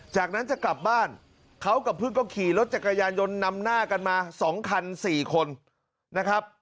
จากนั้นจะกลับบ้านเขากับเพื่อนก็ขี่รถจักรยานยนต์นำหน้ากันมา๒คัน๔คนนะครับ